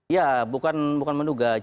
ya bukan bukan menduga